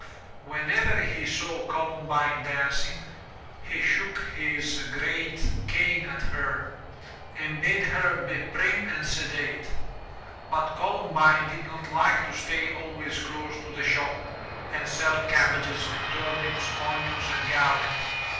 Whenever he saw Columbine dancing, he shook his great cane at her, and bade her be prim and sedate. But Columbine did not like to stay always close to the shop and sell cabbages and turnips, onions and garlic.